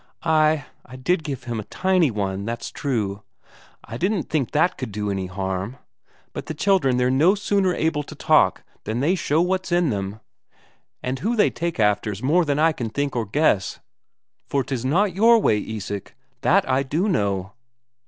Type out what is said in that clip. "Ay, I did give him a tiny one, that's true. I didn't think that could do any harm. But they children, they're no sooner able to talk than they show what's in them. And who they take after's more than I can think or guess. For 'tis not your way, Isak, that I do know."